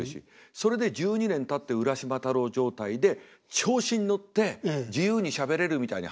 それで１２年たって浦島太郎状態で調子に乗って自由にしゃべれるみたいに始まったから空回りの連続でした。